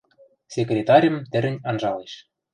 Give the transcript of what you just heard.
Секретарьым тӹрӹнь анжалеш.